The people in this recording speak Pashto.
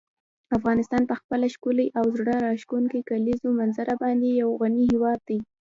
افغانستان په خپله ښکلې او زړه راښکونکې کلیزو منظره باندې یو غني هېواد دی.